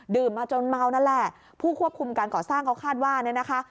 มาจนเมานั่นแหละผู้ควบคุมการก่อสร้างเขาคาดว่าเนี่ยนะคะ